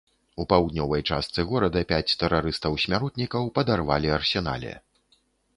У паўднёвай частцы горада пяць тэрарыстаў-смяротнікаў падарвалі арсенале.